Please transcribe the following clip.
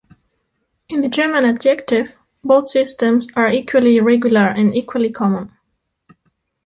In the German adjective, both systems are equally regular and equally common.